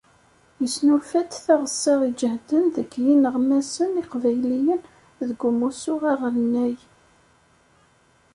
Yesnulfa-d taɣessa iǧehden n yimeɣnasen iqbayliyen deg umussu aɣelnaw.